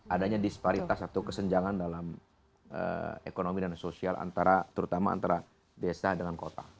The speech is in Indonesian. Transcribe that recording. adanya disparitas atau kesenjangan dalam ekonomi dan sosial antara terutama antara desa dengan kota